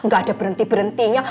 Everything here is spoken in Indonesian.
gak ada berhenti berhentinya